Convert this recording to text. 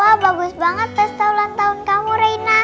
wah bagus banget pesta ulang tahun kamu reina